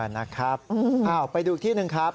นะครับไปดูอีกที่หนึ่งครับ